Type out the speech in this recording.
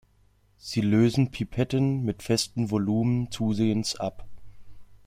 Sie lösen Pipetten mit festem Volumen zusehends ab.